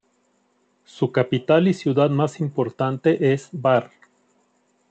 Su capital y ciudad más importante es Bar.